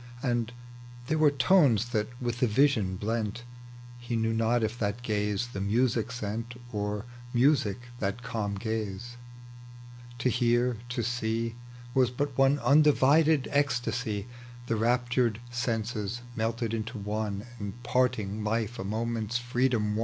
And there were tones that with the vision blent : He knew not if that gaze the music sent, Or music that calm gaze ; to hear, to see, Was but one undivided ecstasy ; The raptured senses melted into one, And parting life a moment's freedom won